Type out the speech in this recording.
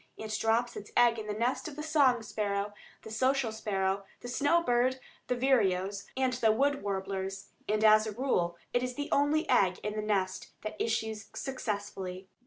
It drops its egg in the nest of the song sparrow, the social sparrow, the snow bird, the vireos, and the wood warblers, and as a rule it is the only egg in the nest that issues successfully.